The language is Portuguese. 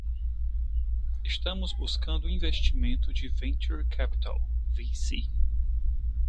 Estamos buscando investimento de venture capital (VC).